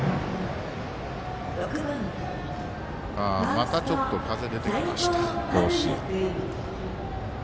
またちょっと風が出てきました、甲子園。